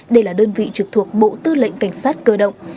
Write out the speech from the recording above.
đây là đơn vị trực thuộc bộ tư lệnh cảnh sát cơ động